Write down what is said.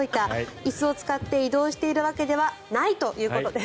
椅子を使って移動しているわけではないということです。